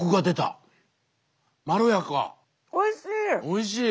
おいしい！